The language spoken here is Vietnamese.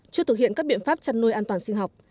chưa thực hiện các biện pháp chăn nuôi an toàn sinh học